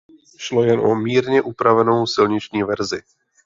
Šlo jen o mírně upravenou silniční verzi.